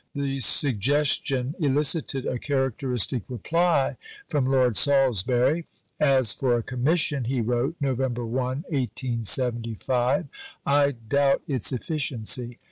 The suggestion elicited a characteristic reply from Lord Salisbury. "As for a Commission," he wrote (Nov. 1, 1875), "I doubt its efficiency.